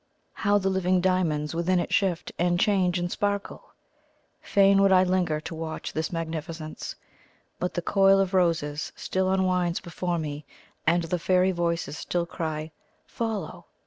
How the living diamonds within it shift, and change, and sparkle! Fain would I linger to watch this magnificence; but the coil of roses still unwinds before me, and the fairy voices still cry, "FOLLOW!"